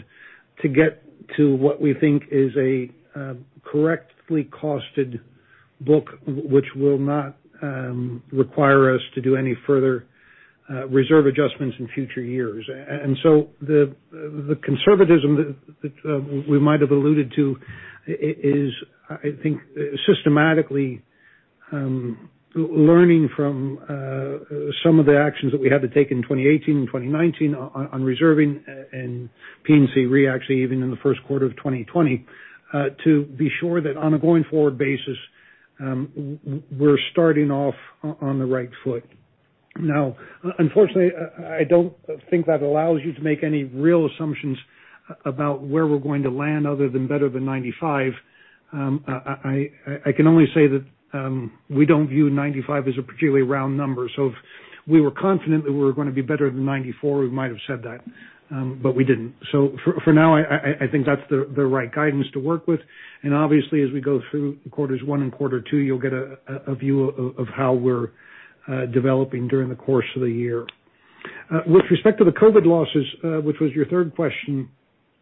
to get to what we think is a correctly costed book, which will not require us to do any further reserve adjustments in future years. The conservatism that we might have alluded to is, I think, systematically learning from some of the actions that we had to take in 2018 and 2019 on reserving and P&C Re, actually, even in the first quarter of 2020, to be sure that on a going forward basis, we're starting off on the right foot. Unfortunately, I don't think that allows you to make any real assumptions about where we're going to land, other than better than 95. I can only say that we don't view 95 as a particularly round number. If we were confident that we were going to be better than 94, we might have said that, but we didn't. For now, I think that's the right guidance to work with. Obviously, as we go through quarters one and quarter two, you'll get a view of how we're developing during the course of the year. With respect to the COVID-19 losses, which was your third question,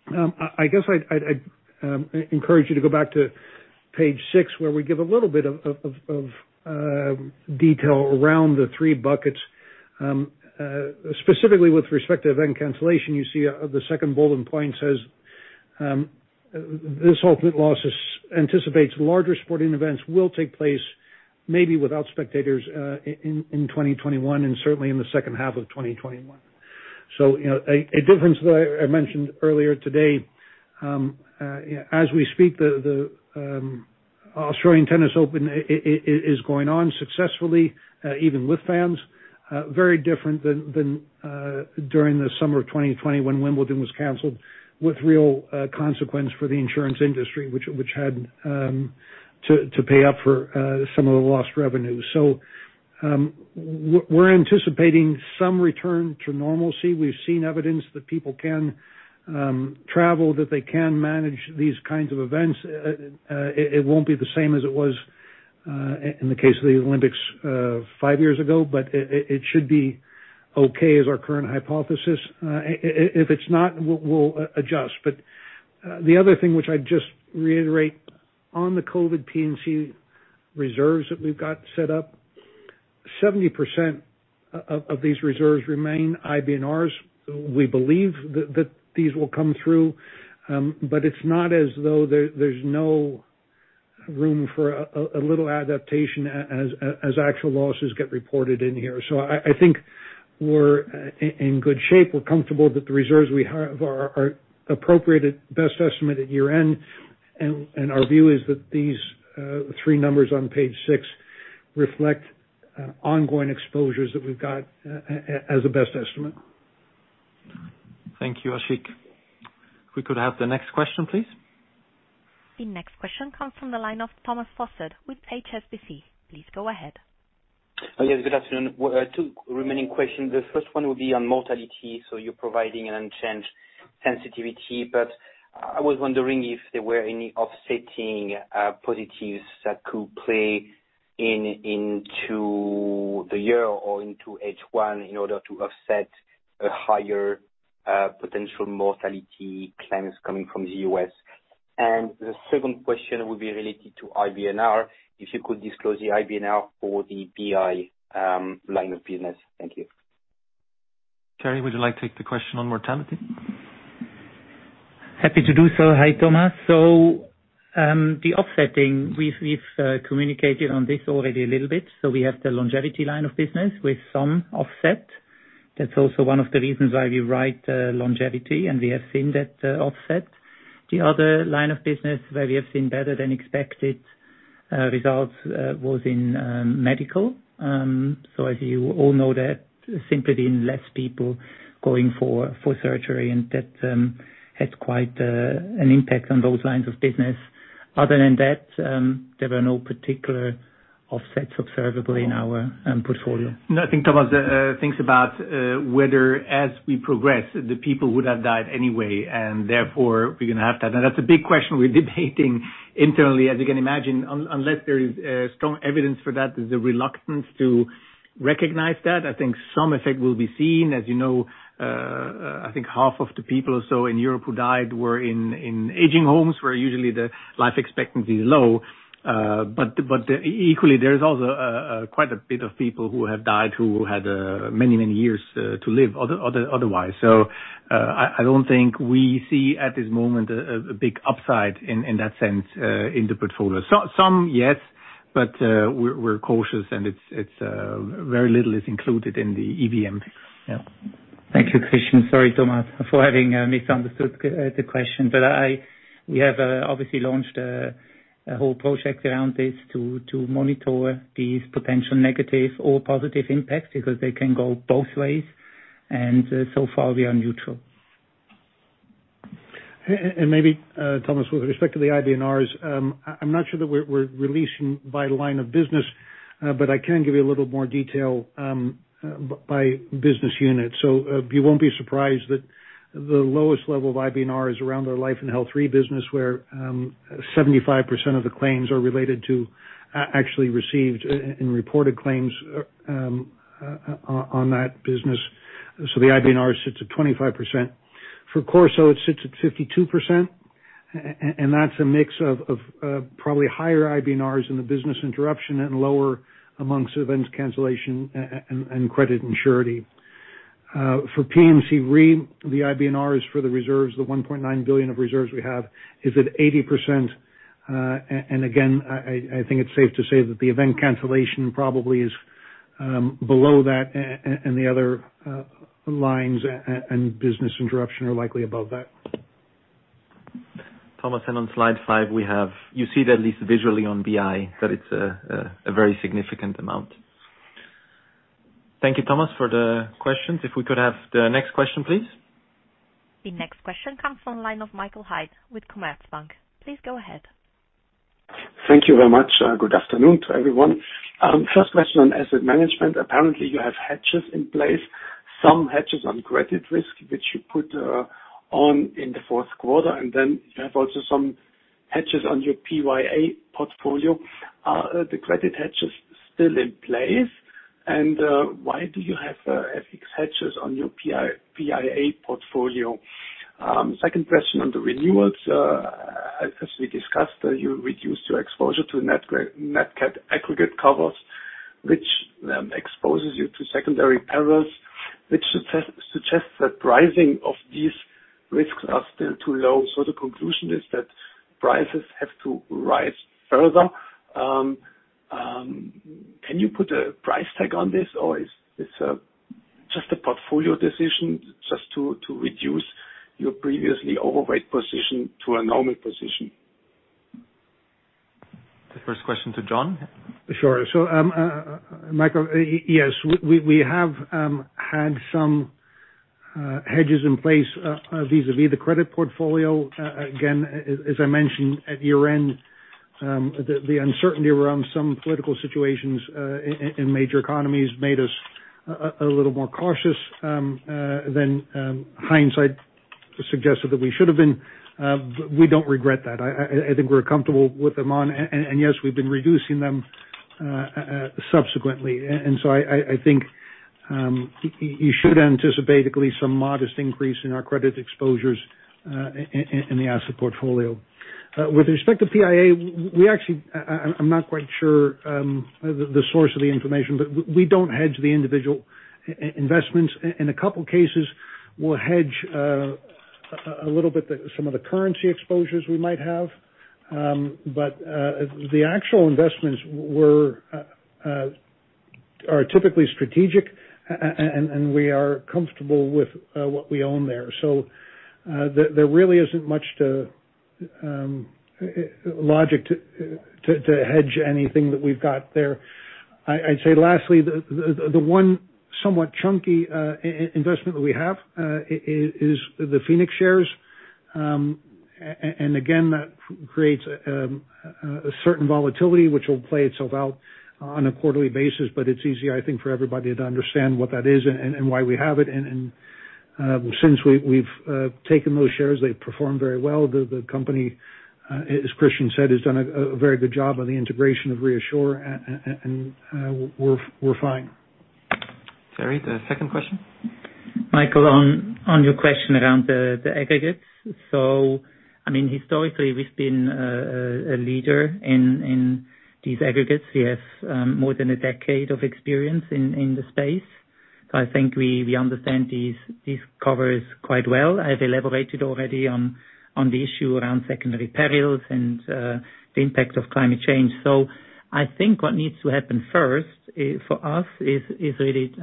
I guess I'd encourage you to go back to page six, where we give a little bit of detail around the three buckets. Specifically with respect to event cancellation, you see the second bullet point says, "This ultimate loss anticipates larger sporting events will take place, maybe without spectators, in 2021, and certainly in the second half of 2021." A difference that I mentioned earlier today, as we speak, the Australian Tennis Open is going on successfully, even with fans. Very different than during the summer of 2020, when Wimbledon was canceled with real consequence for the insurance industry, which had to pay up for some of the lost revenue. We're anticipating some return to normalcy. We've seen evidence that people can travel, that they can manage these kinds of events. It won't be the same as it was, in the case of the Olympics five years ago, but it should be okay as our current hypothesis. If it's not, we'll adjust. The other thing which I'd just reiterate on the COVID P&C reserves that we've got set up. 70% of these reserves remain IBNRs. We believe that these will come through, but it's not as though there's no room for a little adaptation as actual losses get reported in here. I think we're in good shape. We're comfortable that the reserves we have are appropriate at best estimate at year-end, and our view is that these three numbers on page six reflect ongoing exposures that we've got as a best estimate. Thank you, Ashik. If we could have the next question, please. The next question comes from the line of Thomas Fossard with HSBC. Please go ahead. Yes. Good afternoon. Two remaining questions. The first one will be on mortality. You're providing an unchanged sensitivity, but I was wondering if there were any offsetting positives that could play into the year or into H1 in order to offset higher potential mortality claims coming from the U.S. The second question would be related to IBNR, if you could disclose the IBNR for the BI line of business. Thank you. Thierry, would you like to take the question on mortality? Happy to do so. Hi, Thomas. The offsetting, we've communicated on this already a little bit. We have the longevity line of business with some offset. That's also one of the reasons why we write longevity, and we have seen that offset. The other line of business where we have seen better than expected results was in medical. As you all know that simply been less people going for surgery and that had quite an impact on those lines of business. Other than that, there were no particular offsets observable in our portfolio. I think Thomas thinks about whether, as we progress, the people would have died anyway, and therefore we're going to have that. That's a big question we're debating internally. As you can imagine, unless there is strong evidence for that, there's a reluctance to recognize that. I think some effect will be seen. As you know, I think half of the people or so in Europe who died were in aging homes, where usually the life expectancy is low. Equally, there is also quite a bit of people who have died who had many years to live otherwise. I don't think we see at this moment a big upside in that sense, in the portfolio. Some, yes, but we're cautious, and very little is included in the EVM. Yeah. Thank you, Christian. Sorry, Thomas, for having misunderstood the question. We have obviously launched a whole project around this to monitor these potential negative or positive impacts because they can go both ways, and so far we are neutral. Maybe, Thomas, with respect to the IBNRs, I'm not sure that we're releasing by line of business, but I can give you a little more detail by business unit. You won't be surprised that the lowest level of IBNR is around our life and health Re business, where 75% of the claims are related to, actually received and reported claims on that business. The IBNR sits at 25%. For CorSo, it sits at 52%, and that's a mix of probably higher IBNRs in the business interruption and lower amongst event cancellation and credit and surety. For P&C Re, the IBNR is for the reserves, the $1.9 billion of reserves we have is at 80%. Again, I think it's safe to say that the event cancellation probably is below that, and the other lines and business interruption are likely above that. Thomas, and on slide five, you see that at least visually on BI, that it's a very significant amount. Thank you, Thomas, for the questions. If we could have the next question, please. The next question comes from line of Michael Hyde with Commerzbank. Please go ahead. Thank you very much. Good afternoon to everyone. First question on asset management. Apparently, you have hedges in place, some hedges on credit risk, which you put on in the fourth quarter, and then you have also some hedges on your PIA portfolio. Are the credit hedges still in place, and why do you have FX hedges on your PIA portfolio? Second question on the renewals. As we discussed, you reduced your exposure to nat cat aggregate covers, which exposes you to secondary perils, which suggests that pricing of these risks are still too low. The conclusion is that prices have to rise further. Can you put a price tag on this, or it's just a portfolio decision just to reduce your previously overweight position to a normal position? The first question to John. Sure. Michael, yes, we have had some hedges in place vis-a-vis the credit portfolio. As I mentioned at year-end, the uncertainty around some political situations in major economies made us a little more cautious than hindsight suggested that we should have been. We don't regret that. I think we're comfortable with them on. I think you should anticipate at least some modest increase in our credit exposures in the asset portfolio. With respect to PIA, I'm not quite sure the source of the information, but we don't hedge the individual investments. In a couple cases, we'll hedge a little bit some of the currency exposures we might have. The actual investments are typically strategic, and we are comfortable with what we own there. There really isn't much logic to hedge anything that we've got there. I'd say lastly, the one somewhat chunky investment that we have is the Phoenix shares. Again, that creates a certain volatility which will play itself out on a quarterly basis, but it's easier, I think, for everybody to understand what that is and why we have it. Since we've taken those shares, they've performed very well. The company, as Christian said, has done a very good job on the integration of ReAssure, and we're fine. Thierry, the second question. Michael, on your question around the aggregates. Historically, we've been a leader in these aggregates. We have more than a decade of experience in the space. I think we understand these covers quite well. I have elaborated already on the issue around secondary perils and the impact of climate change. I think what needs to happen first for us is really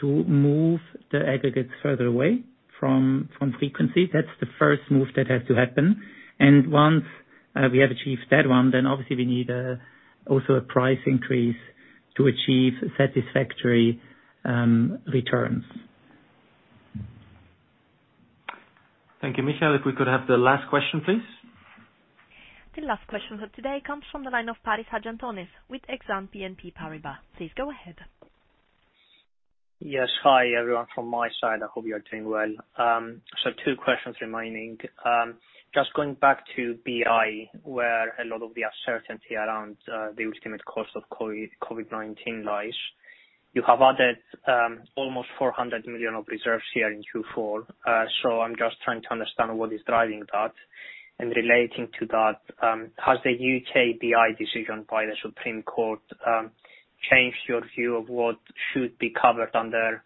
to move the aggregates further away from frequency. That's the first move that has to happen. Once we have achieved that one, obviously we need also a price increase to achieve satisfactory returns. Thank you, Michael. If we could have the last question, please. The last question for today comes from the line of Paris Hadjiantonis with Exane BNP Paribas. Please go ahead. Yes. Hi, everyone from my side. I hope you're doing well. Two questions remaining. Just going back to BI, where a lot of the uncertainty around the ultimate cost of COVID-19 lies. You have added almost 400 million of reserves here in Q4. I'm just trying to understand what is driving that. Relating to that, has the U.K. BI decision by the Supreme Court changed your view of what should be covered under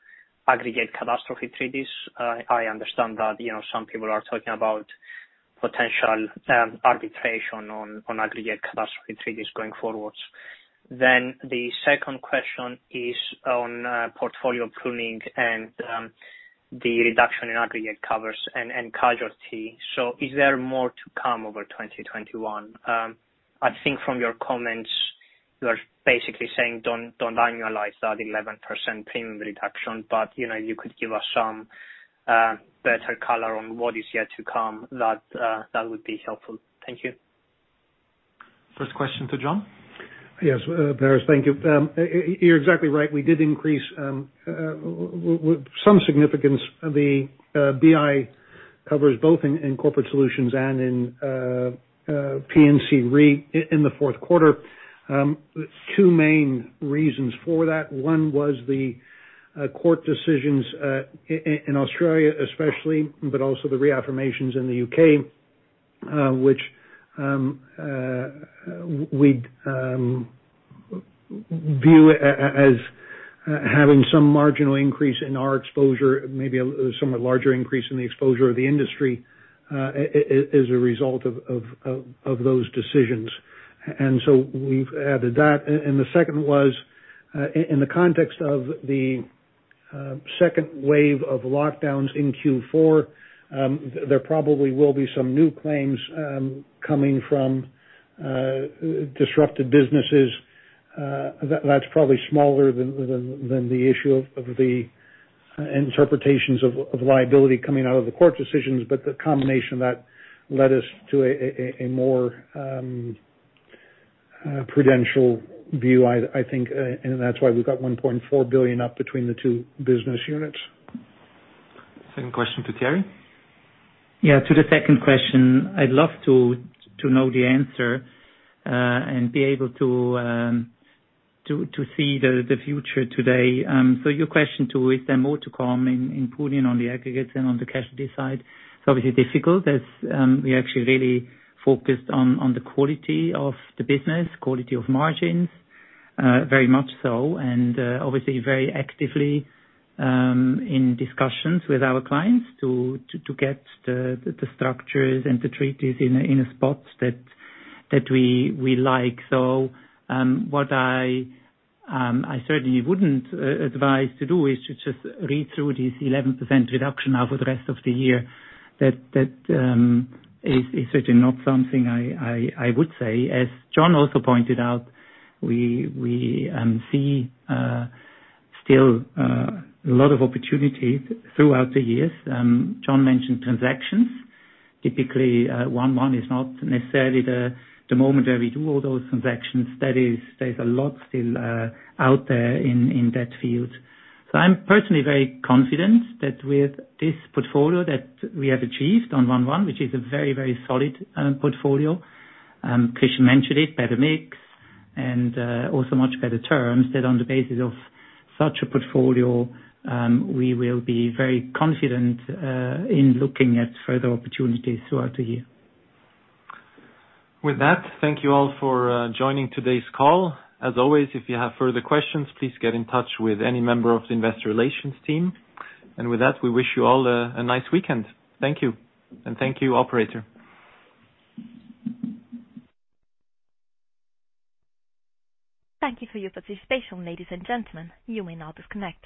aggregate catastrophe treaties? I understand that some people are talking about potential arbitration on aggregate catastrophe treaties going forwards. The second question is on portfolio pruning and the reduction in aggregate covers and casualty. Is there more to come over 2021? I think from your comments, you are basically saying don't annualize that 11% premium reduction. You could give us some better color on what is yet to come, that would be helpful. Thank you. First question to John. Yes. Paris, thank you. You're exactly right. We did increase with some significance the BI covers both in Corporate Solutions and in P&C Re in the fourth quarter. Two main reasons for that. One was the court decisions in Australia especially, but also the reaffirmations in the U.K., which we view as having some marginal increase in our exposure, maybe a somewhat larger increase in the exposure of the industry, as a result of those decisions. We've added that. The second was in the context of the second wave of lockdowns in Q4, there probably will be some new claims coming from disrupted businesses. That's probably smaller than the issue of the interpretations of liability coming out of the court decisions. The combination of that led us to a more prudential view, I think, and that's why we've got $1.4 billion up between the two business units. Second question to Thierry . Yeah. To the second question, I'd love to know the answer, and be able to see the future today. Your question, too, is there more to come in pruning on the aggregates and on the casualty side? It's obviously difficult as we are actually really focused on the quality of the business, quality of margins, very much so. Obviously very actively in discussions with our clients to get the structures and the treaties in a spot that we like. What I certainly wouldn't advise to do is to just read through this 11% reduction now for the rest of the year. That is certainly not something I would say. As John also pointed out, we see still a lot of opportunities throughout the years. John mentioned transactions. Typically, one month is not necessarily the moment where we do all those transactions. There's a lot still out there in that field. I'm personally very confident that with this portfolio that we have achieved on one month, which is a very solid portfolio. Christian mentioned it, better mix, and also much better terms that on the basis of such a portfolio, we will be very confident, in looking at further opportunities throughout the year. With that, thank you all for joining today's call. As always, if you have further questions, please get in touch with any member of the investor relations team. With that, we wish you all a nice weekend. Thank you. Thank you, operator. Thank you for your participation, ladies and gentlemen. You may now disconnect.